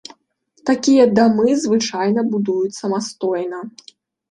Такія дамы звычайна будуюць самастойна.